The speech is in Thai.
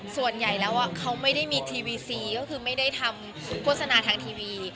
ส่วนใหญ่แล้วเขาไม่ได้มีทีวีซีก็คือไม่ได้ทำโฆษณาทางทีวี